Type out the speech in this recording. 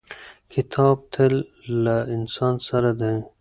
کتاب تل له انسان سره دی.